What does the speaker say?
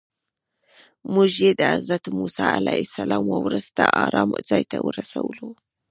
موږ یې د حضرت موسی علیه السلام وروستي ارام ځای ته ورسولو.